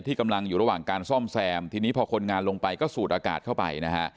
กำลังอยู่ระหว่างการซ่อมแซมทีนี้พอคนงานลงไปก็สูดอากาศเข้าไปนะฮะ